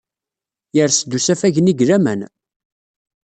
Yers-d usafag-nni deg laman.